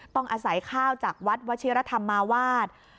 ต้องอาศัยข้าวจากวัดวชิรธรรมาวาส